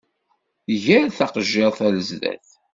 Ger taqejjiṛt ar zdat!